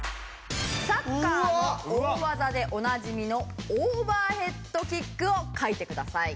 サッカーの大技でおなじみのオーバーヘッドキックを描いてください。